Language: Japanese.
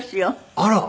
あら。